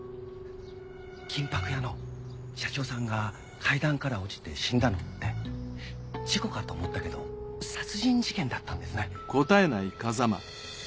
金箔屋の社長さんが階段から落ちて死んだのって事故かと思ったけど殺人事件だったんですね。